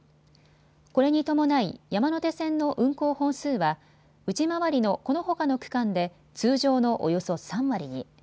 これに伴い山手線の運行本数は内回りのこのほかの区間で通常のおよそ３割に。